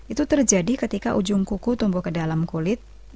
itu terjadi ketika ujung kuku tumbuh ke dalam kulit